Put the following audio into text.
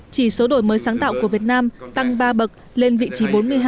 chỉ số đổi mới sáng tạo của việt nam tăng ba bậc lên vị trí bốn mươi hai